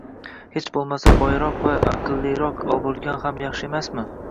Hech boʻlmasa boyroq va aqlliroq boʻlgan ham yaxshi emasmi?